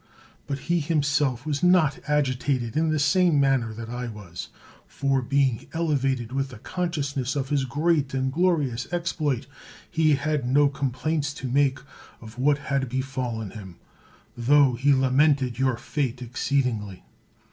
But he himself was not agitated in the same manner that I was ; for, being elevated with the consciousness of his great and glorious exploit, he had no complaints to make of what had befallen him, tho he lamented your fate exceedingly.